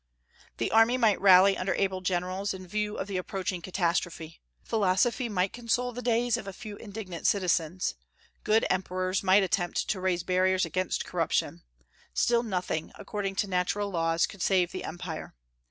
The army might rally under able generals, in view of the approaching catastrophe; philosophy might console the days of a few indignant citizens; good Emperors might attempt to raise barriers against corruption, still, nothing, according to natural laws, could save the empire.